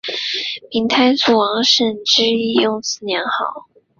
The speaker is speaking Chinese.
闽太祖王审知亦用此年号。